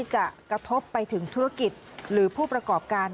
จะกระทบไปถึงธุรกิจหรือผู้ประกอบการ